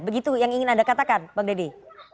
begitu yang ingin anda katakan bang deddy